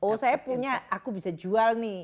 oh saya punya aku bisa jual nih